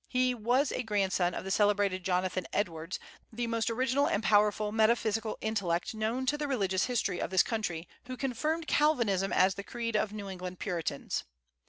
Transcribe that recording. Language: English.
He was a grandson of the celebrated Jonathan Edwards, the most original and powerful metaphysical intellect known to the religious history of this country, who confirmed Calvinism as the creed of New England Puritans.